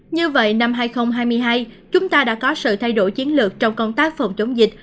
như vậy năm hai nghìn hai mươi hai chúng ta đã có sự thay đổi chiến lược trong công tác phòng chống dịch